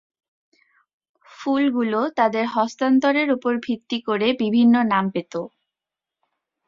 ফুলগুলো তাদের হস্তান্তরের উপর ভিত্তি করে বিভিন্ন নাম পেত।